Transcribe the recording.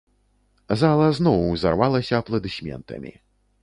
Зала зноў узарвалася апладысментамі.